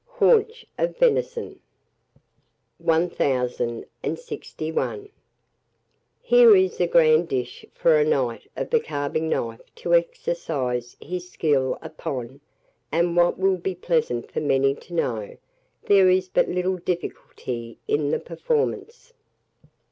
HAUNCH OF VENISON. [Illustration: HAUNCH OF VENISON.] 1061. Here is a grand dish for a knight of the carving knife to exercise his skill upon, and, what will be pleasant for many to know, there is but little difficulty in the performance.